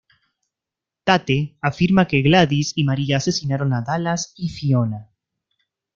Tate afirma que Gladys y María asesinaron a Dallas y Fiona.